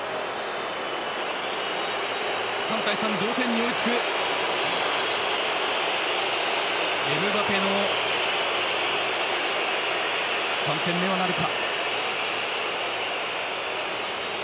３対３、同点に追いつくエムバペの３点目なるか。